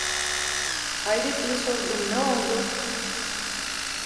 Hayretle sordum: "Ne oldu?"